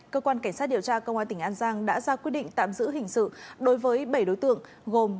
cơ quan cảnh sát điều tra công an tỉnh an giang đã ra quyết định tạm giữ hình sự đối với bảy đối tượng gồm